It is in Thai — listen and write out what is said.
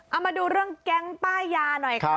เอามาดูเรื่องแก๊งป้ายยาหน่อยครับ